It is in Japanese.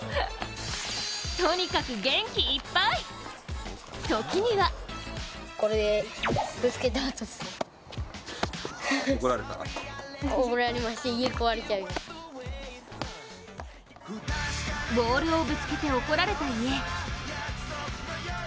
とにかく元気いっぱいときにはボールをぶつけて怒られた家。